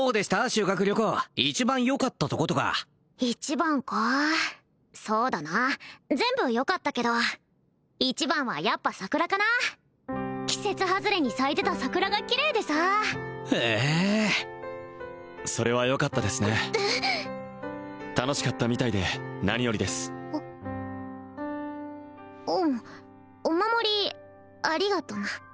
修学旅行一番よかったとことか一番かそうだな全部よかったけど一番はやっぱ桜かな季節外れに咲いてた桜がキレイでさへえそれはよかったですね楽しかったみたいで何よりですうんお守りありがとな